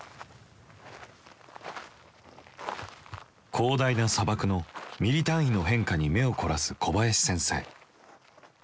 広大な砂漠のミリ単位の変化に目を凝らす小林先生。